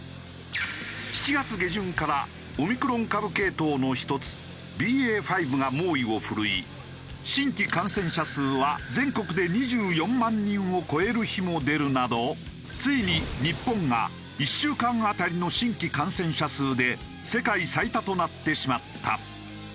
７月下旬からオミクロン株系統の１つＢＡ．５が猛威を振るい新規感染者数は全国で２４万人を超える日も出るなどついに日本が１週間当たりの新規感染者数で世界最多となってしまった。